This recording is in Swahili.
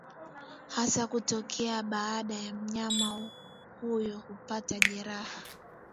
hasa hutokea baada ya mnyama huyo kupata jeraha